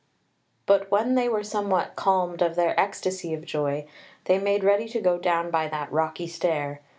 But when they were somewhat calmed of their ecstasy of joy, they made ready to go down by that rocky stair.